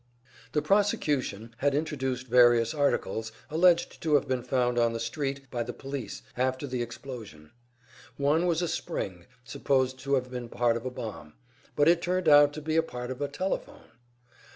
The prosecution had introduced various articles alleged to have been found on the street by the police after the explosion; one was a spring, supposed to have been part of a bomb but it turned out to be a part of a telephone!